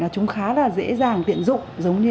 chúng khá là dễ dàng tiện dụng